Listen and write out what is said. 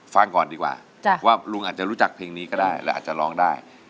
ฟังก่อนดีกว่าว่าลุงอาจจะรู้จักเพลงนี้ก็ได้และอาจจะร้องได้